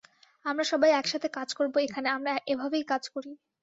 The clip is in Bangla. আমরা সবাই একসাথে কাজ করবো এখানে আমরা এভাবেই কাজ করি।